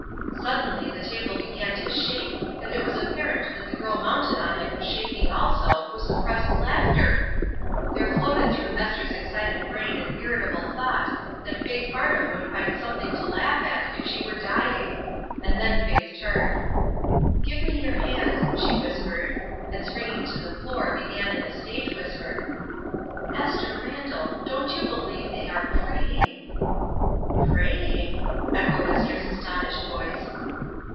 Suddenly the table began to shake, and it was apparent that the girl mounted on it was shaking also, with suppressed laughter. There floated through Esther's excited brain an irritable thought that Faith Farnham would find something to laugh at if she were dying; and then Faith turned. "Give me your hand," she whispered, and springing to the floor began in a stage whisper : ''Esther Randall, don't you believe they are fraying V^ '' Praying !" echoed Esther's astonished voice.